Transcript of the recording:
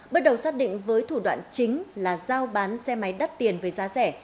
bước đầu xác định với thủ đoạn chính là giao bán xe máy đắt tiền với giá rẻ